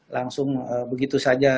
langsung begitu saja